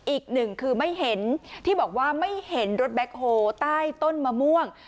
อีกหนึ่งคือไม่เห็นที่บอกว่าไม่เห็นรถแบ็คโฮใต้ต้นมะม่วง